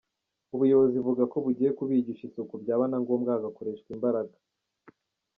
Ubuyobozi buvuga ko bugiye kubigisha isuku byaba na ngombwa hagakoreshwa imbaraga.